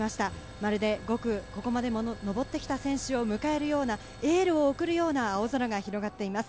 まるで５区、ここまで上ってきた選手を迎えるような、エールを送るような青空が広がっています。